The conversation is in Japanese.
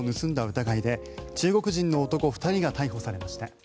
疑いで中国人の男２人が逮捕されました。